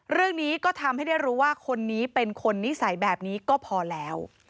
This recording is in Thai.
เรื่องนี้ก็ทำให้ได้รู้ว่าคนนี้เป็นคนนิสัยแบบนี้ก็พอแล้ว